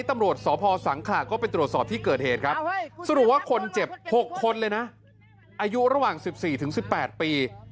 อายุระหว่าง๑๔ถึง๑๘ปี